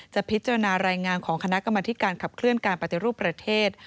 พิจารณารายงานของคณะกรรมธิการขับเคลื่อนการปฏิรูปประเทศ